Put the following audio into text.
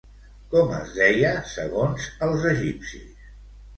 Com es deia segons els egipcis?